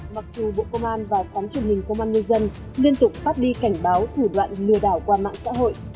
mặc dù bộ công an và sóng truyền hình công an nhân dân liên tục phát đi cảnh báo thủ đoạn lừa đảo qua mạng xã hội